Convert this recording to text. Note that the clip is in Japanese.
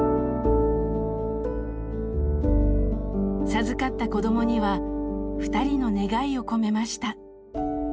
授かった子どもにはふたりの願いを込めました。